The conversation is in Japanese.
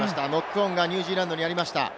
ノックオンがニュージーランドにありました。